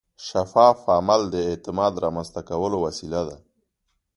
شفاف عمل د اعتماد رامنځته کولو وسیله ده.